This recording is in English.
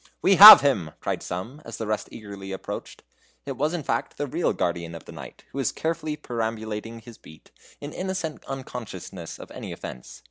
"We have him!" cried some, as the rest eagerly approached. It was in fact the real guardian of the night, who was carefully perambulating his beat, in innocent unconsciousness of any offence.